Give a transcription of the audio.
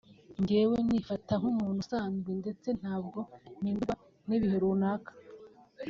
njye nifata nk’umuntu usanzwe ndetse ntabwo mpindurwa n’ibihe runaka